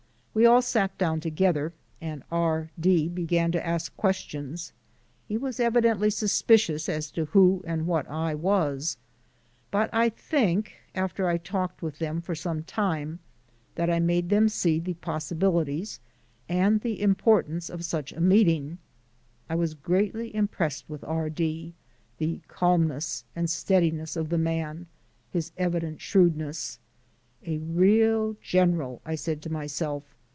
We all sat down together, and R D began to ask questions (he was evidently suspicious as to who and what I was); but I think, after I talked with them for some time that I made them see the possibilities and the importance of such a meeting. I was greatly impressed with R D , the calmness and steadiness of the man, his evident shrewdness. "A real general," I said to myself.